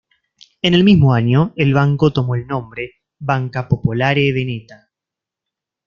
En el mismo año el banco tomó el nombre, Banca Popolare Veneta.